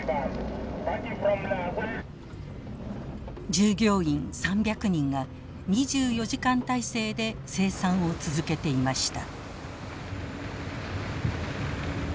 従業員３００人が２４時間体制で生産を続けていました。